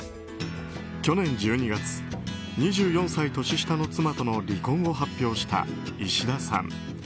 去年１２月、２４歳年下の妻との離婚を発表した、いしださん。